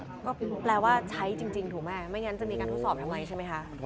ก็แปลว่าใช้จริงถูกไหมไม่งั้นจะมีการทดสอบยังไงนะคะ